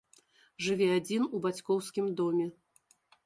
Жыве адзін у бацькоўскім доме.